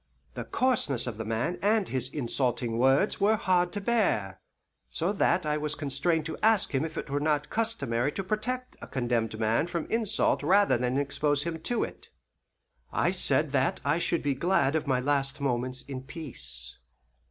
The coarseness of the man and his insulting words were hard to bear, so that I was constrained to ask him if it were not customary to protect a condemned man from insult rather than to expose him to it. I said that I should be glad of my last moments in peace.